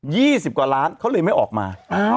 สิบกว่าล้านเขาเลยไม่ออกมา